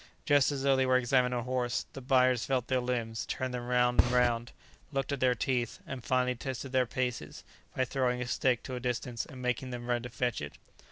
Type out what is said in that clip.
Just as though they were examining a horse, the buyers felt their limbs, turned them round and round, looked at their teeth, and finally tested their paces by throwing a stick to a distance and making them run to fetch it.